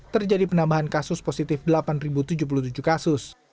terjadi penambahan kasus positif delapan tujuh puluh tujuh kasus